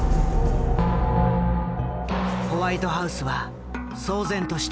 ホワイトハウスは騒然としていた。